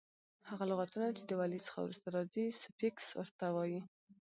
هغه لغتونه چي د ولي څخه وروسته راځي؛ سوفیکس ور ته وایي.